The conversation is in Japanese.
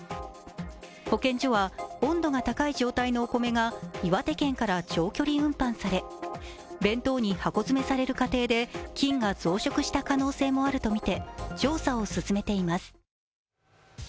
保健所は、温度が高い状態のお米が岩手県から長距離運搬され弁当に箱詰めされる過程で菌が増殖した可能性があるとみて調査を進めています。